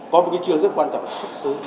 có một cái chương rất quan trọng là xuất xứ